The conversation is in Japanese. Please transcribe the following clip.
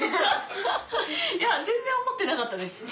いや全然思ってなかったです。